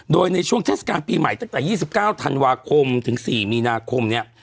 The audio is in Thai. โดยในช่วงเทศกาลปีใหม่ตั้งแต่๒๙ธันวาคมถึง๔มีนาคมเนี่ย